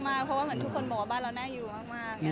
เพราะว่าเหมือนทุกคนบอกว่าบ้านเราน่าอยู่มาก